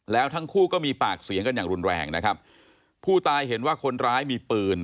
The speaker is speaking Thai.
แล้วทั้งคู่ก็มีปากเสียงกันอย่างรุนแรงนะครับผู้ตายเห็นว่าคนร้ายมีปืน